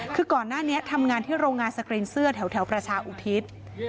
คือก่อนหน้านี้ทำงานที่โรงงานสกรีนเสื้อแถวประชาอุทิศ